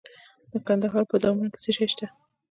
د کندهار په دامان کې څه شی شته؟